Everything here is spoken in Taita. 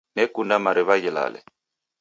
Nekunda mariw'a ghilale.